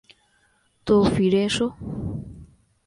তো, ফিরে এসো।